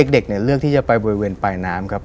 เด็กเลือกที่จะไปบริเวณปลายน้ำครับ